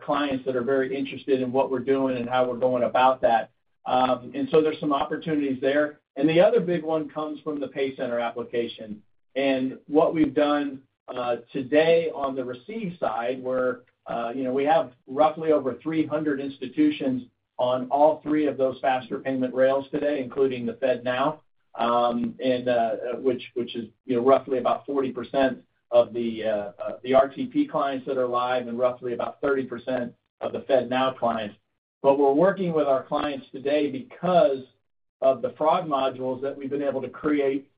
clients that are very interested in what we're doing and how we're going about that. And so there's some opportunities there. And the other big one comes from the PayCenter application. And what we've done today on the receive side, where you know, we have roughly over 300 institutions on all three of those faster payment rails today, including the FedNow, and which is you know, roughly about 40% of the RTP clients that are live and roughly about 30% of the FedNow clients. But we're working with our clients today because of the fraud modules that we've been able to create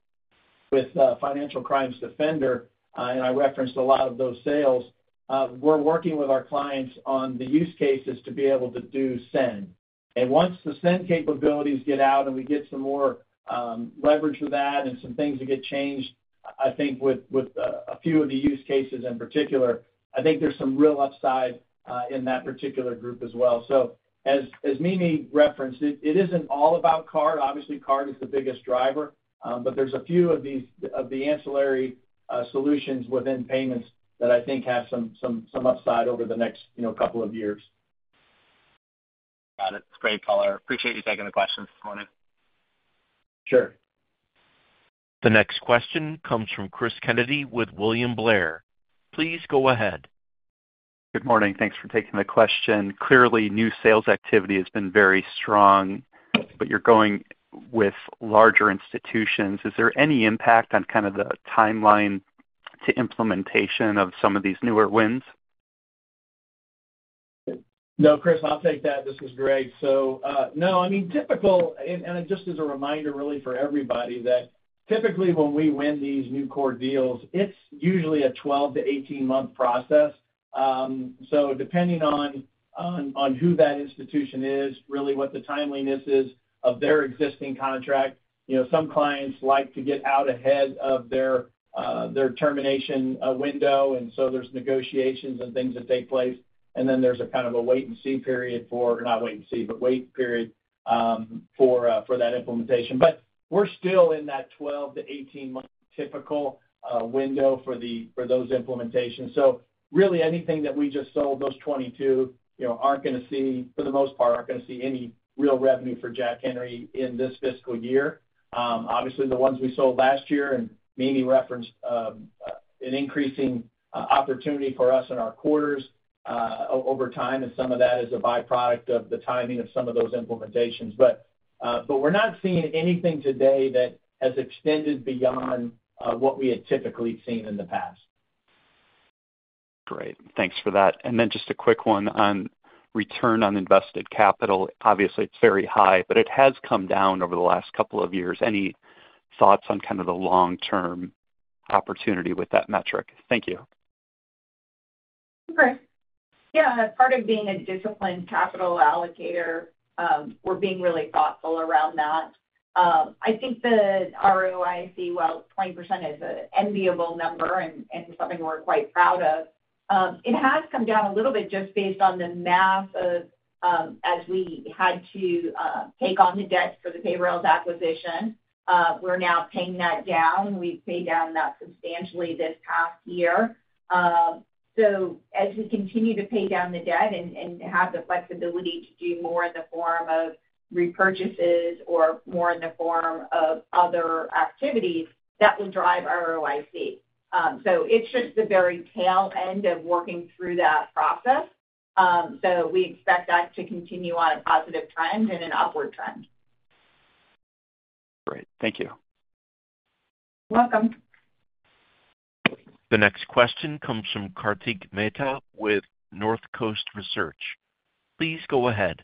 with Financial Crimes Defender, and I referenced a lot of those sales. We're working with our clients on the use cases to be able to do send. And once the send capabilities get out, and we get some more leverage with that and some things that get changed, I think with a few of the use cases in particular, I think there's some real upside in that particular group as well. So as Mimi referenced, it isn't all about card. Obviously, card is the biggest driver, but there's a few of these ancillary solutions within payments that I think have some upside over the next, you know, couple of years. Got it. Great color. Appreciate you taking the questions this morning. Sure. The next question comes from Cris Kennedy with William Blair. Please go ahead. Good morning. Thanks for taking the question. Clearly, new sales activity has been very strong, but you're going with larger institutions. Is there any impact on kind of the timeline to implementation of some of these newer wins? No, Cris, I'll take that. This is Greg. So, no, I mean, typical, and just as a reminder, really, for everybody, that typically, when we win these new core deals, it's usually a 12-18 months process. So depending on who that institution is, really what the timeliness is of their existing contract, you know, some clients like to get out ahead of their termination window, and so there's negotiations and things that take place. And then there's a kind of a wait-and-see period for not wait and see, but wait period, for that implementation. But we're still in that 12-18 months typical window for those implementations. So really, anything that we just sold, those 22, you know, aren't gonna see, for the most part, any real revenue for Jack Henry in this fiscal year. Obviously, the ones we sold last year, and Mimi referenced, an increasing opportunity for us in our quarters, over time, and some of that is a byproduct of the timing of some of those implementations. But we're not seeing anything today that has extended beyond what we had typically seen in the past. Great, thanks for that. And then just a quick one on Return on Invested Capital. Obviously, it's very high, but it has come down over the last couple of years. Any thoughts on kind of the long-term opportunity with that metric? Thank you. Sure. Yeah, as part of being a disciplined capital allocator, we're being really thoughtful around that. I think the ROIC, while 20% is an enviable number and something we're quite proud of, it has come down a little bit just based on the math of, as we had to take on the debt for the Payrailz acquisition. We're now paying that down. We've paid down that substantially this past year. So as we continue to pay down the debt and have the flexibility to do more in the form of repurchases or more in the form of other activities, that will drive ROIC. So it's just the very tail end of working through that process. So we expect that to continue on a positive trend and an upward trend. Great. Thank you. You're welcome. The next question comes from Kartik Mehta with Northcoast Research. Please go ahead.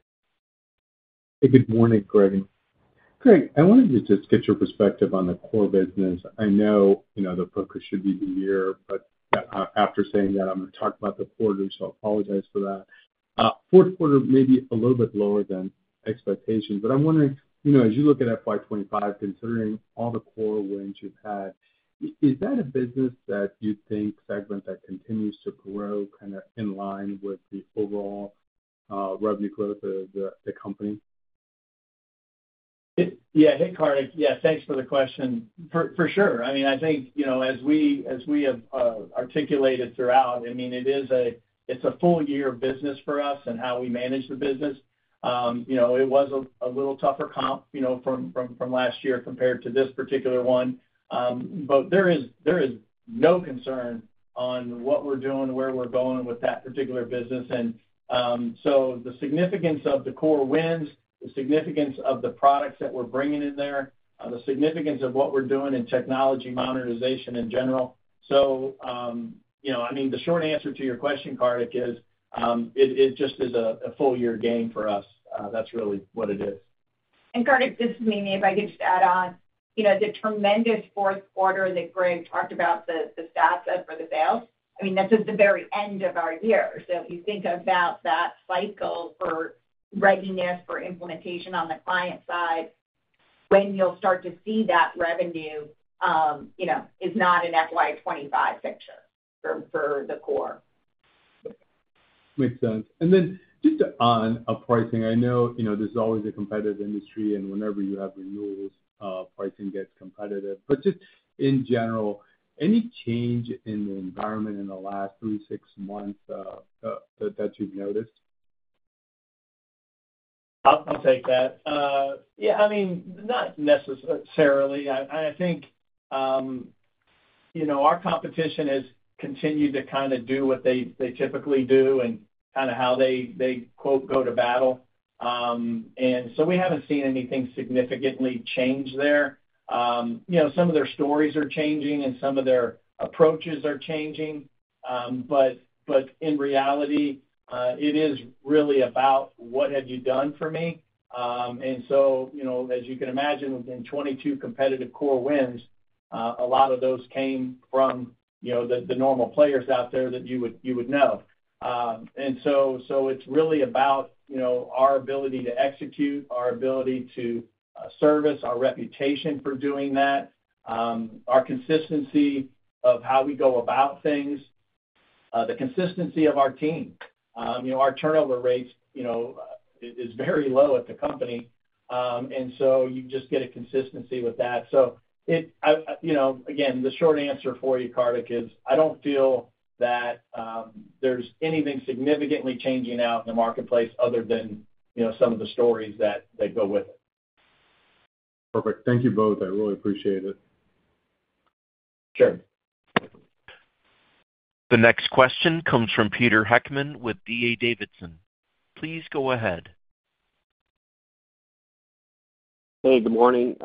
Hey, good morning, Greg. Greg, I wanted to just get your perspective on the core business. I know, you know, the focus should be the year, but after saying that, I'm gonna talk about the quarter, so I apologize for that. Fourth quarter may be a little bit lower than expectations, but I'm wondering, you know, as you look at FY 2025, considering all the core wins you've had, is that a business that you think segment that continues to grow kind of in line with the overall revenue growth of the company? Yeah. Hey, Kartik. Yeah, thanks for the question. For sure. I mean, I think, you know, as we have articulated throughout, I mean, it is a It's a full year business for us and how we manage the business. You know, it was a little tougher comp, you know, from last year compared to this particular one. But there is no concern on what we're doing and where we're going with that particular business. And so the significance of the core wins, the significance of the products that we're bringing in there, the significance of what we're doing in technology modernization in general. So, you know, I mean, the short answer to your question, Kartik, is it just is a full year gain for us. That's really what it is. Kartik, this is Mimi. If I could just add on, you know, the tremendous fourth quarter that Greg talked about, the stats for the sales, I mean, that's just the very end of our year. So if you think about that cycle for readiness, for implementation on the client side, when you'll start to see that revenue, you know, is not an FY 2025 picture for the core. Makes sense. And then just on, pricing, I know, you know, this is always a competitive industry, and whenever you have renewals, pricing gets competitive. But just in general, any change in the environment in the last 3-6 months, that you've noticed? I'll take that. Yeah, I mean, not necessarily. I think, you know, our competition has continued to kind of do what they typically do and kind of how they quote, "go to battle." And so we haven't seen anything significantly change there. You know, some of their stories are changing, and some of their approaches are changing. But in reality, it is really about what have you done for me? And so, you know, as you can imagine, within 22 competitive core wins, a lot of those came from, you know, the normal players out there that you would know. And so, so it's really about, you know, our ability to execute, our ability to service, our reputation for doing that, our consistency of how we go about things, the consistency of our team. You know, our turnover rates, you know, is very low at the company. And so you just get a consistency with that. So it. I, you know, again, the short answer for you, Kartik, is I don't feel that there's anything significantly changing out in the marketplace other than, you know, some of the stories that go with it. Perfect. Thank you both. I really appreciate it. Sure. The next question comes from Peter Heckmann with D.A. Davidson. Please go ahead. Hey, good morning.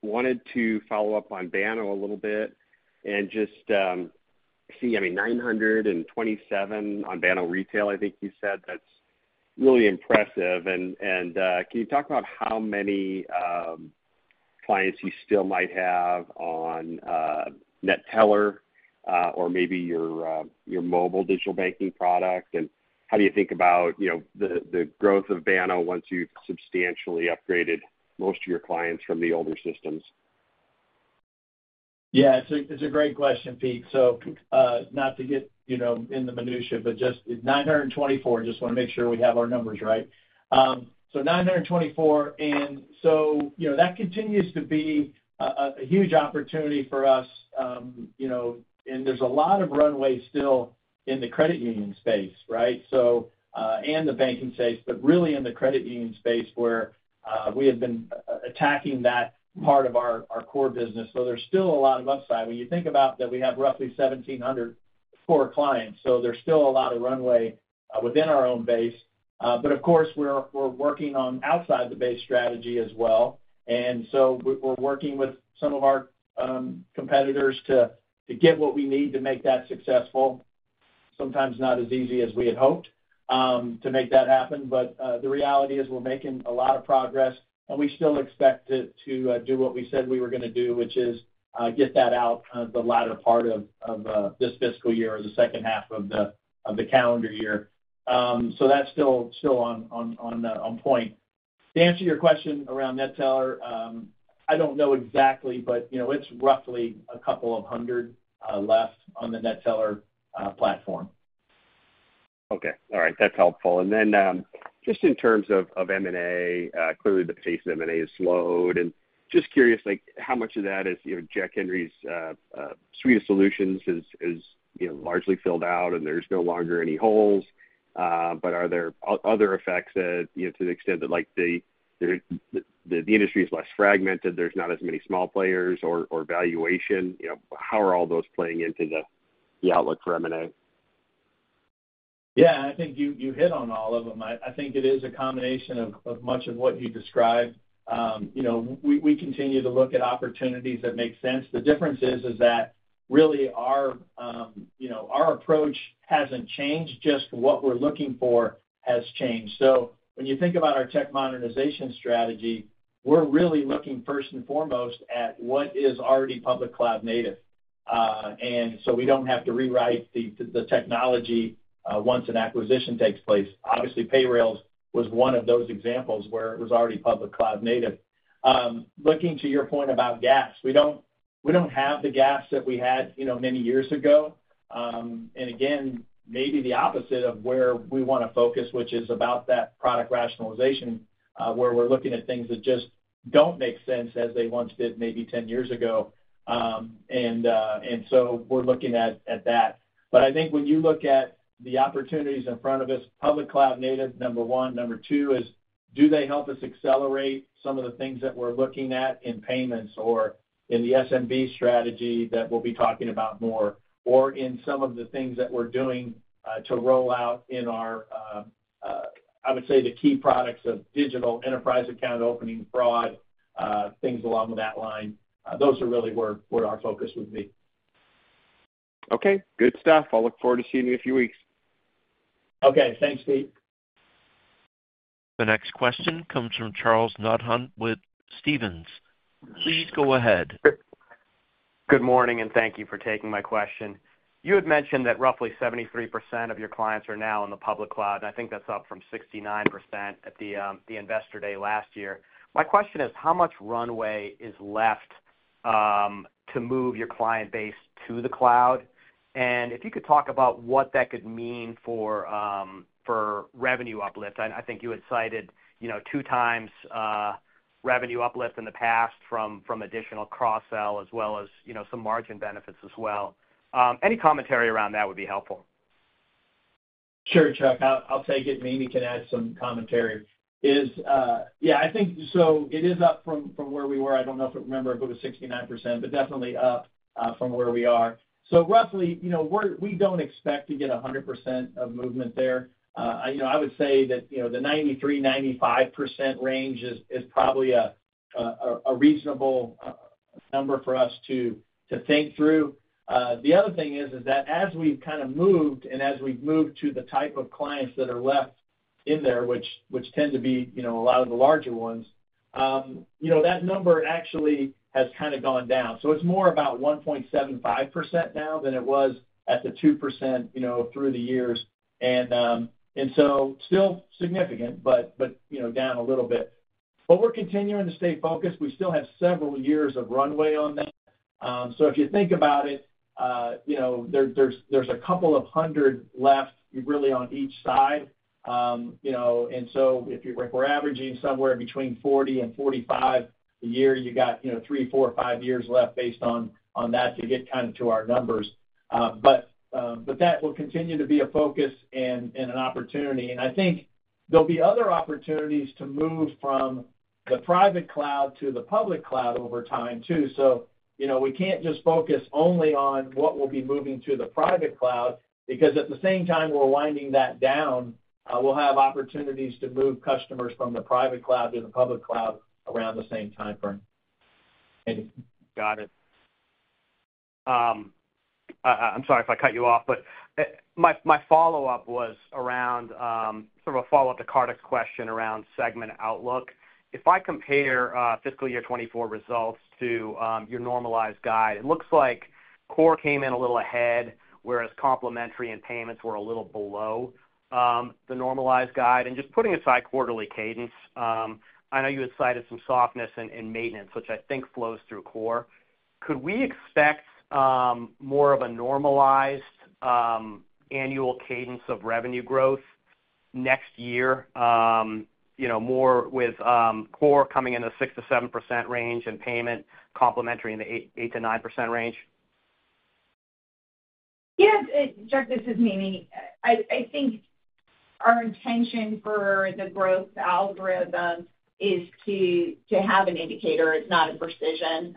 Wanted to follow up on Banno a little bit and just see, I mean, 927 on Banno Retail, I think you said. That's really impressive. And can you talk about how many clients you still might have on NetTeller or maybe your mobile digital banking product? And how do you think about, you know, the growth of Banno once you've substantially upgraded most of your clients from the older systems? Yeah, it's a great question, Pete. So, not to get, you know, in the minutiae, but just it's 924. Just want to make sure we have our numbers right. So 924, and so, you know, that continues to be a huge opportunity for us, you know, and there's a lot of runway still in the credit union space, right? So, and the banking space, but really in the credit union space, where we have been attacking that part of our core business. So there's still a lot of upside. When you think about that we have roughly 1,700 core clients, so there's still a lot of runway within our own base. But of course, we're working on outside the base strategy as well. And so we're working with some of our competitors to get what we need to make that successful. Sometimes not as easy as we had hoped to make that happen, but the reality is we're making a lot of progress, and we still expect it to do what we said we were gonna do, which is get that out on the latter part of this fiscal year or the second half of the calendar year. So that's still on point. To answer your question around NetTeller, I don't know exactly, but you know, it's roughly a couple of hundred less on the NetTeller platform. Okay. All right. That's helpful. And then, just in terms of M&A, clearly the pace of M&A has slowed, and just curious, like, how much of that is, you know, Jack Henry's suite of solutions is largely filled out, and there's no longer any holes? But are there other effects that, you know, to the extent that, like, the industry is less fragmented, there's not as many small players or valuation? You know, how are all those playing into the outlook for M&A? Yeah, I think you hit on all of them. I think it is a combination of much of what you described. You know, we continue to look at opportunities that make sense. The difference is that really our approach hasn't changed, just what we're looking for has changed. So when you think about our tech modernization strategy, we're really looking first and foremost at what is already public cloud native. And so we don't have to rewrite the technology once an acquisition takes place. Obviously, Payrailz was one of those examples where it was already public cloud native. Looking to your point about gaps, we don't have the gaps that we had, you know, many years ago. And again, maybe the opposite of where we wanna focus, which is about that product rationalization, where we're looking at things that just don't make sense as they once did maybe ten years ago. And so we're looking at that. But I think when you look at the opportunities in front of us, public cloud native, number one. Number two is, do they help us accelerate some of the things that we're looking at in payments or in the SMB strategy that we'll be talking about more, or in some of the things that we're doing, to roll out in our, I would say the key products of digital enterprise account opening, fraud, things along that line. Those are really where our focus would be. Okay. Good stuff. I'll look forward to seeing you in a few weeks. Okay. Thanks, Pete. The next question comes from Charles Nabhan with Stephens. Please go ahead. Good morning, and thank you for taking my question. You had mentioned that roughly 73% of your clients are now in the public cloud, and I think that's up from 69% at the Investor Day last year. My question is: How much runway is left to move your client base to the cloud? And if you could talk about what that could mean for revenue uplift. I think you had cited, you know, two times revenue uplift in the past from additional cross-sell as well as, you know, some margin benefits as well. Any commentary around that would be helpful. Sure, Chuck. I'll take it, and Mimi can add some commentary. Yeah, I think so it is up from where we were. I don't know if remember if it was 69%, but definitely up from where we are. So roughly, you know, we don't expect to get 100% of movement there. I you know, I would say that, you know, the 93%-95% range is probably a reasonable number for us to think through. The other thing is that as we've kind of moved, and as we've moved to the type of clients that are left in there, which tend to be, you know, a lot of the larger ones, you know, that number actually has kind of gone down. So it's more about 1.75% now than it was at the 2%, you know, through the years. And so still significant, but, you know, down a little bit. But we're continuing to stay focused. We still have several years of runway on that. So if you think about it, you know, there, there's a couple of hundred left really on each side. You know, and so if you—like, we're averaging somewhere between 40 and 45 a year, you got, you know, three, four, or five years left based on that to get kind of to our numbers. But that will continue to be a focus and an opportunity. And I think there'll be other opportunities to move from the private cloud to the public cloud over time, too. So, you know, we can't just focus only on what we'll be moving to the private cloud, because at the same time, we're winding that down, we'll have opportunities to move customers from the private cloud to the public cloud around the same timeframe. Thank you. Got it. I'm sorry if I cut you off, but my follow-up was around sort of a follow-up to Kartik's question around segment outlook. If I compare fiscal year 2024 results to your normalized guide, it looks like core came in a little ahead, whereas complementary and payments were a little below the normalized guide. And just putting aside quarterly cadence, I know you had cited some softness in maintenance, which I think flows through core. Could we expect more of a normalized annual cadence of revenue growth next year? You know, more with core coming in the 6%-7% range and payments complementary in the 8%-9% range? Yes, Chuck, this is Mimi. I think our intention for the growth algorithm is to have an indicator. It's not a precision.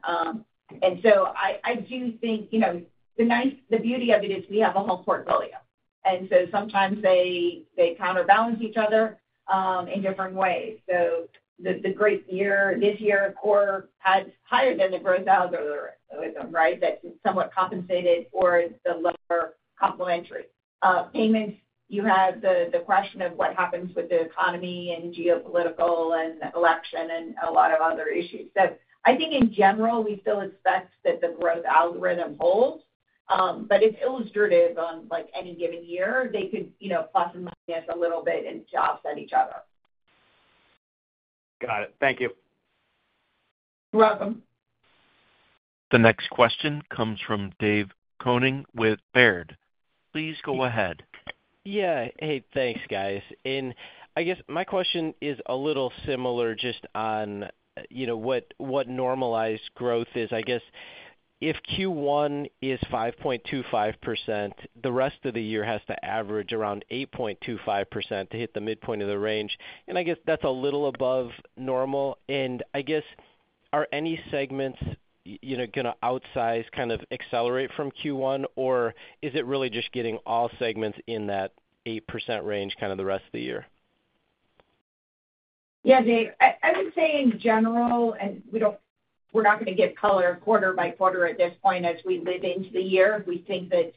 And so I do think, you know, the nice, the beauty of it is we have a whole portfolio, and so sometimes they counterbalance each other in different ways. So the great year, this year, core had higher than the growth algorithm, right? That somewhat compensated for the lower complementary. Payments, you have the question of what happens with the economy and geopolitical and election and a lot of other issues. So I think in general, we still expect that the growth algorithm holds, but it's illustrative on, like, any given year. They could, you know, plus or minus a little bit and offset each other. Got it. Thank you. You're welcome. The next question comes from Dave Koning with Baird. Please go ahead. Yeah. Hey, thanks, guys. And I guess my question is a little similar, just on, you know, what normalized growth is. I guess, if Q1 is 5.25%, the rest of the year has to average around 8.25% to hit the midpoint of the range, and I guess that's a little above normal. And I guess, are any segments, you know, gonna outsize, kind of accelerate from Q1? Or is it really just getting all segments in that 8% range kind of the rest of the year? Yeah, Dave. I would say in general, and we don't-- we're not gonna give color quarter by quarter at this point. As we live into the year, if we think that,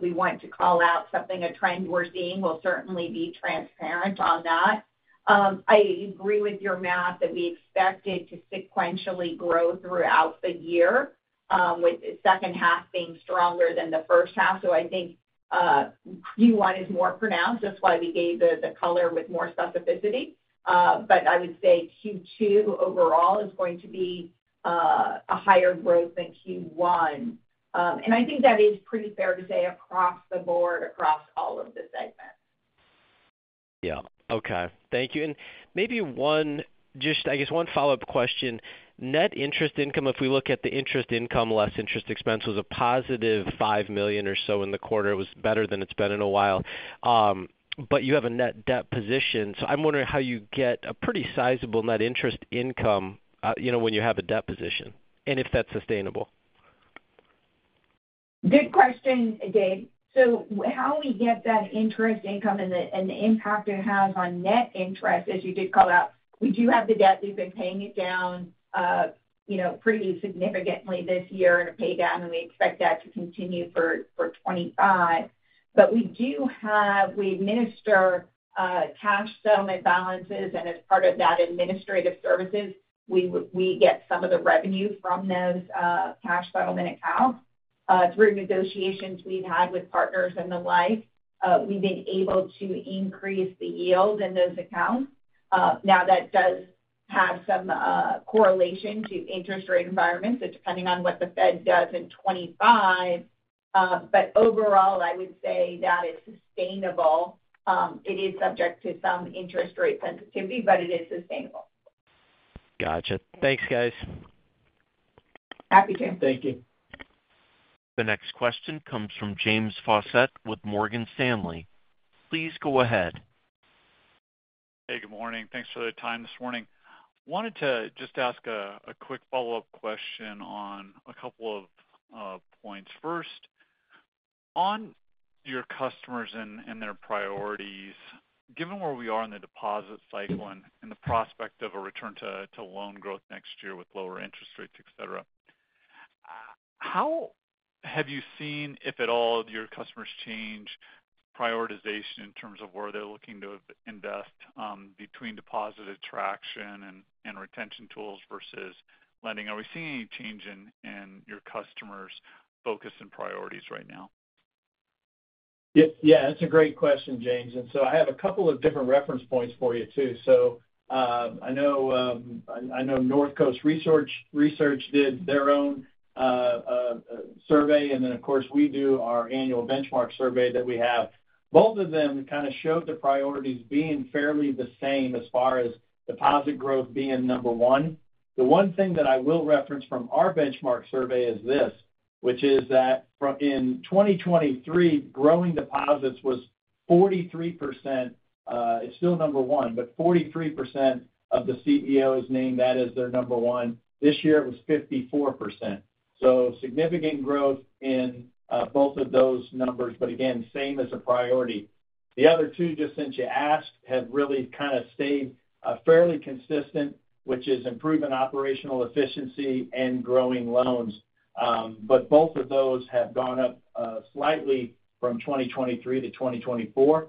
we want to call out something, a trend we're seeing, we'll certainly be transparent on that. I agree with your math, that we expect it to sequentially grow throughout the year, with the second half being stronger than the first half. So I think, Q1 is more pronounced, that's why we gave the color with more specificity. But I would say Q2 overall is going to be, a higher growth than Q1. And I think that is pretty fair to say across the board, across all of the segments. Yeah. Okay. Thank you. And maybe one, just, I guess, one follow-up question. Net interest income, if we look at the interest income, less interest expense, was a +$5 million or so in the quarter. It was better than it's been in a while. But you have a net debt position, so I'm wondering how you get a pretty sizable net interest income, you know, when you have a debt position, and if that's sustainable. Good question, Dave. So how we get that interest income and the, and the impact it has on net interest, as you did call out, we do have the debt. We've been paying it down, you know, pretty significantly this year in a pay down, and we expect that to continue for 2025. But we do have we administer cash settlement balances, and as part of that administrative services, we get some of the revenue from those cash settlement accounts. Through negotiations we've had with partners and the like, we've been able to increase the yield in those accounts. Now, that does have some correlation to interest rate environments, so depending on what the Fed does in 2025, but overall, I would say that it's sustainable. It is subject to some interest rate sensitivity, but it is sustainable. Gotcha. Thanks, guys. Happy to. Thank you. The next question comes from James Faucette with Morgan Stanley. Please go ahead. Hey, good morning. Thanks for the time this morning. Wanted to just ask a quick follow-up question on a couple of points. First, on your customers and their priorities, given where we are in the deposit cycle and the prospect of a return to loan growth next year with lower interest rates, et cetera, how have you seen, if at all, your customers change prioritization in terms of where they're looking to invest, between deposit attraction and retention tools versus lending? Are we seeing any change in your customers' focus and priorities right now? Yes. Yeah, that's a great question, James, and so I have a couple of different reference points for you, too. So, I know North Coast Research did their own survey, and then, of course, we do our annual benchmark survey that we have. Both of them kind of showed the priorities being fairly the same as far as deposit growth being number one. The one thing that I will reference from our benchmark survey is this, which is that from 2023, growing deposits was 43%. It's still number one, but 43% of the CEOs named that as their number one. This year, it was 54%. So significant growth in both of those numbers, but again, same as a priority. The other two, just since you asked, have really kind of stayed fairly consistent, which is improving operational efficiency and growing loans. But both of those have gone up slightly from 2023-2024.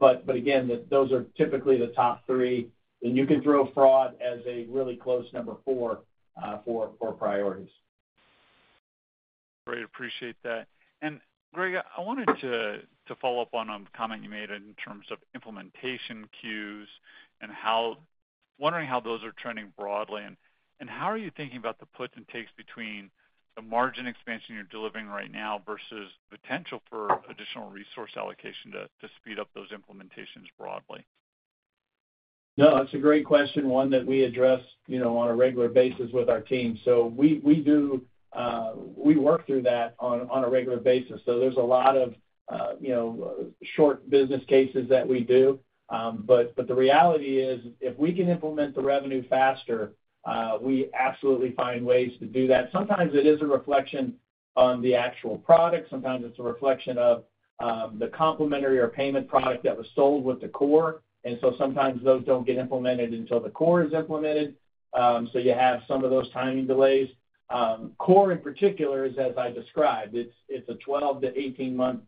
But again, those are typically the top three, and you can throw fraud as a really close number four, for priorities. Great, appreciate that. And Greg, I wanted to follow up on a comment you made in terms of implementation queues and wondering how those are trending broadly, and how are you thinking about the puts and takes between the margin expansion you're delivering right now versus potential for additional resource allocation to speed up those implementations broadly? No, that's a great question, one that we address, you know, on a regular basis with our team, so we do work through that on a regular basis, so there's a lot of, you know, short business cases that we do, but the reality is, if we can implement the revenue faster, we absolutely find ways to do that. Sometimes it is a reflection on the actual product. Sometimes it's a reflection of the complementary or payment product that was sold with the core, and so sometimes those don't get implemented until the core is implemented, so you have some of those timing delays, core, in particular, is as I described, it's a 12-18 months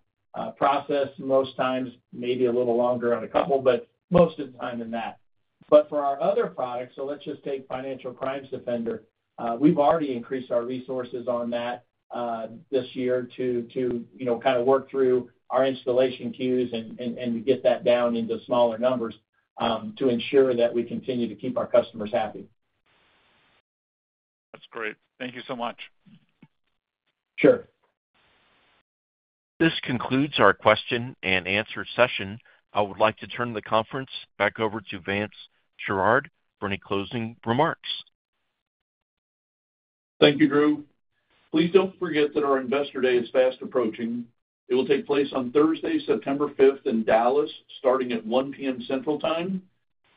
process, most times, maybe a little longer on a couple, but most of the time in that. But for our other products, so let's just take Financial Crimes Defender. We've already increased our resources on that this year to you know kind of work through our installation queues and get that down into smaller numbers to ensure that we continue to keep our customers happy. That's great. Thank you so much. Sure. This concludes our question-and-answer session. I would like to turn the conference back over to Vance Sherard for any closing remarks. Thank you, Drew. Please don't forget that our Investor Day is fast approaching. It will take place on Thursday, September fifth, in Dallas, starting at 1:00 P.M. Central Time.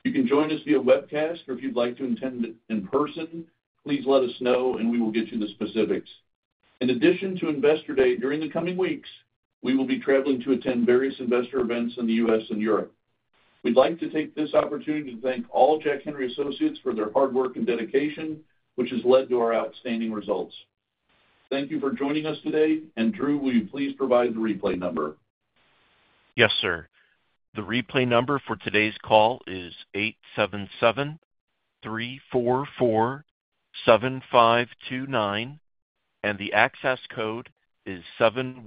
You can join us via webcast, or if you'd like to attend it in person, please let us know, and we will get you the specifics. In addition to Investor Day, during the coming weeks, we will be traveling to attend various investor events in the U.S. and Europe. We'd like to take this opportunity to thank all Jack Henry associates for their hard work and dedication, which has led to our outstanding results. Thank you for joining us today. And Drew, will you please provide the replay number? Yes, sir. The replay number for today's call is 877-344-7529, and the access code is 7192153. That will be available in about one hour. The conference has now concluded.